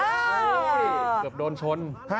เกือบโดนชน